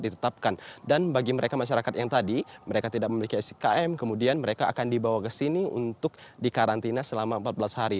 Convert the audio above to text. dan bagi mereka masyarakat yang tadi mereka tidak memiliki skm kemudian mereka akan dibawa ke sini untuk dikarantina selama empat belas hari